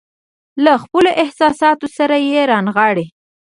له خپلو احساساتو سره يې رانغاړي.